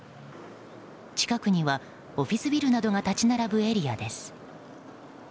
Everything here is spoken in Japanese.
近くにはオフィスビルなどが立ち並ぶエリアです。